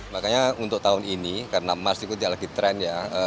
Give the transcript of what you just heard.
makanya untuk tahun ini karena emas itu tidak lagi tren ya